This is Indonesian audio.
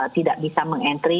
tidak bisa meng entry